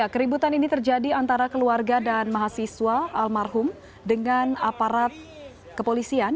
keributan ini terjadi antara keluarga dan mahasiswa almarhum dengan aparat kepolisian